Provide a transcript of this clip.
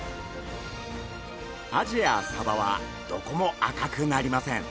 アジやサバはどこも赤くなりません。